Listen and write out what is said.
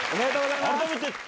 改めて。